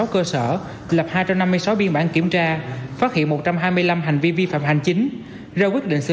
hai trăm năm mươi sáu cơ sở lập hai trăm năm mươi sáu biên bản kiểm tra phát hiện một trăm hai mươi năm hành vi vi phạm hành chính ra quyết định xử